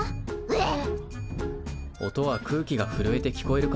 えっ？